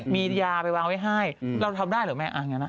มียาไปวางไว้ให้เราทำได้เหรอแม่อย่างนั้น